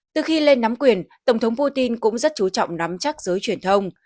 từ khi lên nắm quyền tổng thống putin cũng rất chú trọng nắm chắc giới truyền thông